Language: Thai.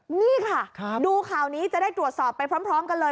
นี่ค่ะดูข่าวนี้จะได้ตรวจสอบไปพร้อมกันเลย